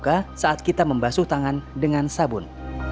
ini adalah hal pertama saat kita membasuh tangan dengan sabun